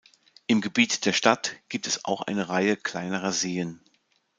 Im Gebiet der Stadt gibt es auch eine Reihe kleinerer Seen.